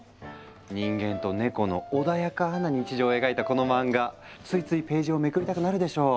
人間とネコの穏やかな日常を描いたこの漫画ついついページをめくりたくなるでしょう？